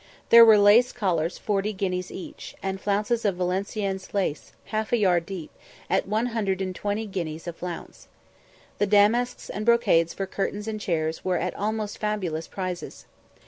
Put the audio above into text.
There were lace collars 40 guineas each, and flounces of Valenciennes lace, half a yard deep, at 120 guineas a flounce. The damasks and brocades for curtains and chairs were at almost fabulous prices.